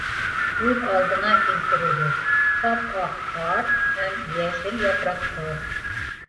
Күҙ алдына килтерегеҙ: ап-аҡ ҡар һәм йәшел япраҡтар!